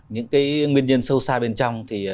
những cái nguyên nhân sâu xa bên trong thì